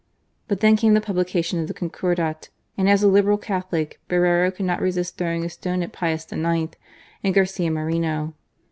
But then came the publication of the Concordat, and as a. Liberal Catholic, Borrero could not resist throwing a stone at Pius IX. and Garcia Moreno.